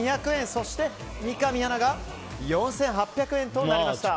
そして三上アナが４８００円となりました。